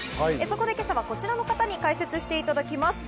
そこで今朝はこちらの方に解説していただきます。